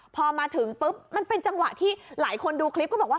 พอมาถึงปุ๊บมันเป็นจังหวะที่หลายคนดูคลิปก็บอกว่า